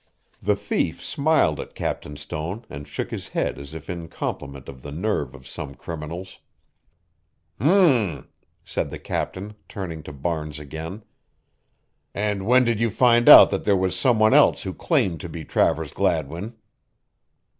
The thief smiled at Captain Stone and shook his head as if in compliment of the nerve of some criminals. "H'm," said the captain, turning to Barnes again. "And when did you find out that there was some one else who claimed to be Travers Gladwin?"